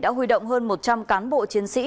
đã huy động hơn một trăm linh cán bộ chiến sĩ